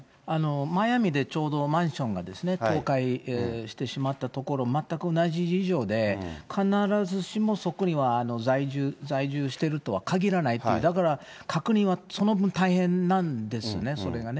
マイアミでちょうどマンションが倒壊してしまった所、全く同じ事情で、必ずしもそこには在住しているとはかぎらないと、だから確認はその分大変なんですね、それがね。